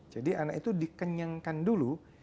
jadi anak itu dikenyangkan dulu